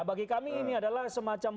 bagi kami ini adalah semacam